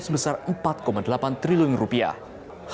sebesar empat delapan triliun rupiah